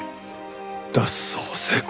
脱走成功。